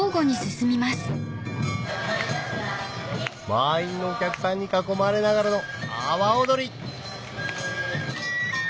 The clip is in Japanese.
満員のお客さんに囲まれながらの阿波おどり